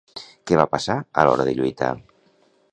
Què va passar a l'hora de lluitar?